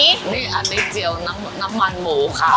นี่อันนี้เจียวน้ำมันหมูค่ะ